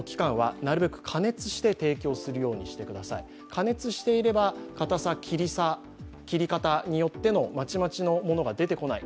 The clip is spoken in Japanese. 加熱していれば固さ、切り方によってのまちまちのものが出てこない